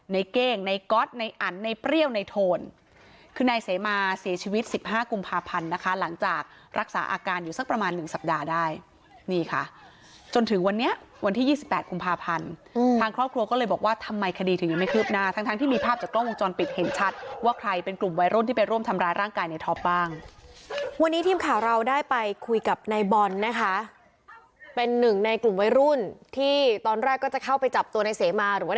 ในเก้งในก๊อตในอันในเปรี้ยวในโทนคือในเสมอเสียชีวิต๑๕กุมภาพันธุ์นะคะหลังจากรักษาอาการอยู่สักประมาณ๑สัปดาห์ได้นี่ค่ะจนถึงวันนี้วันที่๒๘กุมภาพันธุ์ทางครอบครัวก็เลยบอกว่าทำไมคดีถึงยังไม่เคลือบหน้าทั้งที่มีภาพจากกล้องวงจรปิดเห็นชัดว่าใครเป็นกลุ่มวัยรุ่นที่ไปร่ว